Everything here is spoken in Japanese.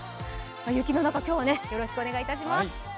雪の中、今日はよろしくお願いします。